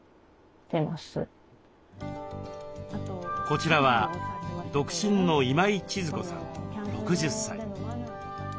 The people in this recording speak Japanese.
こちらは独身の今井千鶴子さん６０歳。